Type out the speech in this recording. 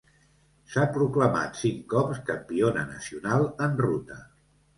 S'ha proclamat cinc cops campiona nacional en ruta.